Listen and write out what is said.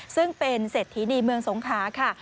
ซึ่งเป็นเสร็จทีนีที่เมืองสงคร้าค่ะ